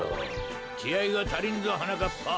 きあいがたりんぞはなかっぱ。